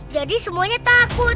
jadi semuanya takut